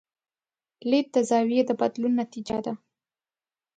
لید د زاویې د بدلون نتیجه ده.